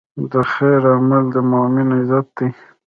د خیر عمل د مؤمن عزت دی.